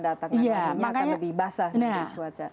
laninya akan lebih basah